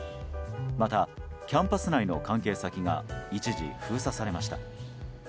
また、キャンパス内の関係先が一時、封鎖されました。